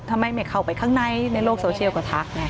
ทำไมไม่เข้าไปข้างในในโลกโซเชียลก็ทักไง